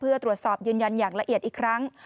เพื่อตรวจสอบยืนยันอย่างละเอียดอีกครั้ง